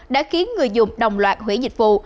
đã khiến người dùng đồng loạt hủy dịch vụ